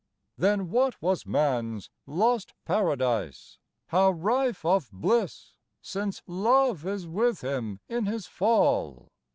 Then what was Man's lost Paradise! how rife Of bliss, since love is with him in his fall!